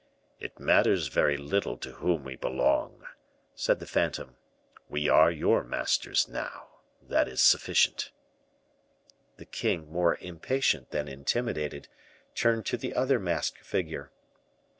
"It matters very little to whom we belong," said the phantom; "we are your masters now, that is sufficient." The king, more impatient than intimidated, turned to the other masked figure.